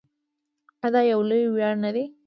آیا دا یو لوی ویاړ نه دی؟